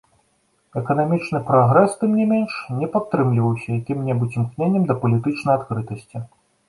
Эканамічны прагрэс, тым не менш, не падтрымліваўся якім-небудзь імкненнем да палітычнай адкрытасці.